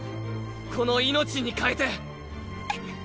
この命に代えて！